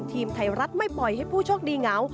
ทีมไทยรัฐไม่ปล่อยให้ผู้โชคดีเหงา